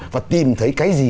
và tìm thấy cái gì